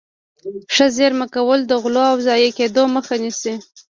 ښه زيرمه کول د غلو د ضايع کېدو مخه نيسي.